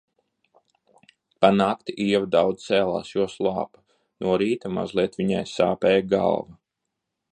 Pa nakti Ieva daudz cēlās, jo slāpa. No rīta mazliet viņai sāpēja galva.